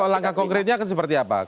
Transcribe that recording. langkah konkretnya akan seperti apa